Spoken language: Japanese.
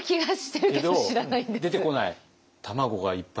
出てこない？